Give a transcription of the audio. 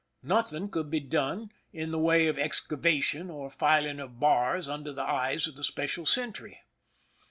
Nothing could be done in the way of excava tion or filing of bars under the eyes of the special sentry.